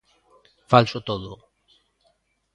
¡Falso todo!